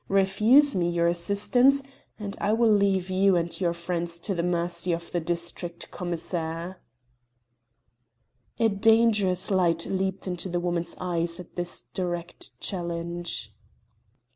Refuse me your assistance, and I will leave you and your friends to the mercy of the district commissaire." A dangerous light leaped into the woman's eyes at this direct challenge.